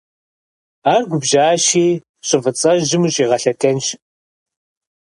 Ар губжьащи щӀы фӀыцӀэжьым ущӀигъэлъэдэнщ.